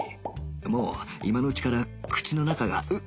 もう今のうちから口の中がうっ！